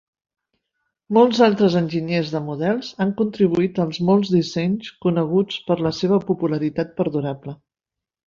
Molts altres enginyers de models han contribuït als molts dissenys coneguts per la seva popularitat perdurable.